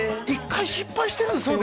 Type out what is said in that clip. １回失敗してるんですか？